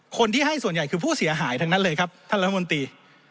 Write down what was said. คนที่ให้ส่วนใหญ่คือผู้เสียหายทั้งนั้นเลยครับท่านรัฐมนตรี